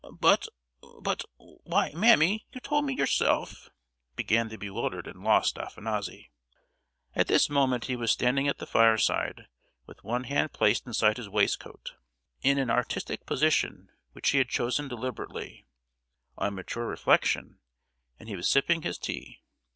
"But, but—why, mammy, you told me yourself"—began the bewildered and lost Afanassy. At this moment he was standing at the fireside with one hand placed inside his waistcoat, in an artistic position which he had chosen deliberately, on mature reflection,—and he was sipping his tea.